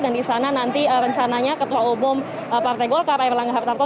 dan disana nanti rencananya ketua umum partai golkar rai rangga hartarto